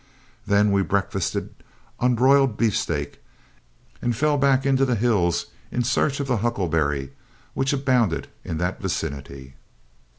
Then we breakfasted on broiled beefsteak, and fell back into the hills in search of the huckleberry, which abounded in that vicinity.